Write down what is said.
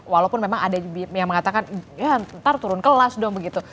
walaupun memang ada yang mengatakan ya ntar turun kelas dong begitu